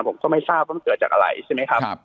ผมก็ไม่ทราบว่ามันเกิดจากอะไรใช่ไหมครับ